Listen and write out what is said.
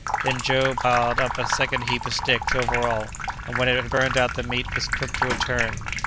Then Joe piled up a second heap of sticks over all, and when it had burned out the meat was cooked to a turn.